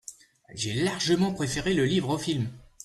J'ai largement préféré le livre au film.